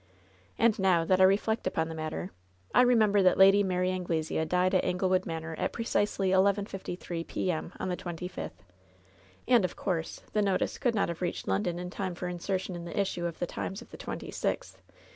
And now that I reflect upon the matter, I remember that Lady Mary Anglesea died at Anglewood Manor at precisely 11:53 p. m., on the twenty fifth, and, of course, the notice could not have reached London in time for insertion in the issue of the Times of the twenty sixth.